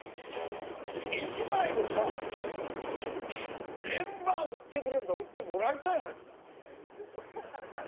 １枚でさ連番売ってくれんなら売ってもらいたいよねみんな。